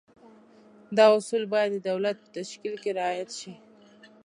دا اصول باید د دولت په تشکیل کې رعایت شي.